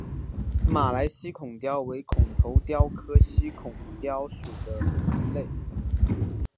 马来犀孔鲷为孔头鲷科犀孔鲷属的鱼类。